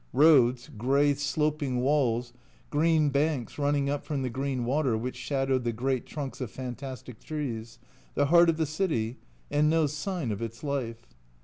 Roads, grey sloping walls, green banks running up from the green water which shadowed the great trunks of fantastic trees the heart of the city, and no sign of its life.